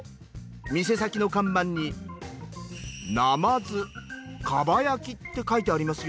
店先の看板に「なまずかば焼」って書いてありますよ。